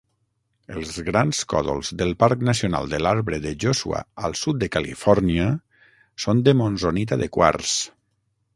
Els grans còdols del Parc Nacional de l'Arbre de Joshua al sud de Califòrnia són de monzonita de quars.